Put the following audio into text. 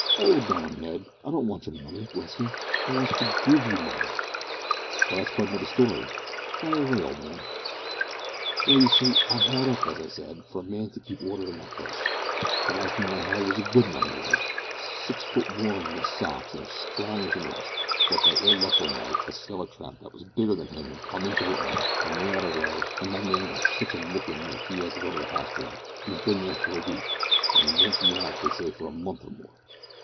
"'Old on, Ned, I don't want yer money, bless yer. I wants to give you money." "Oh! that's quite another story; fire away, old man." "Well, you see, I'm 'ard up, as I said, for a man to keep order in my place. The last man I 'ad was a good 'un, 'e was. Six futt one in 'is socks, an' as strong as a 'orse, but by ill luck one night, a sailor chap that was bigger than 'im come in to the 'all, an' they 'ad a row, an' my man got sitch a lickin' that he 'ad to go to hospital, an' 'e's been there for a week, an' won't be out, they say, for a month or more.